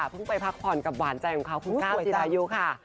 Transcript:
ไปพักผ่อนกับหวานใจของเขาคุณก้าวจิรายุค่ะ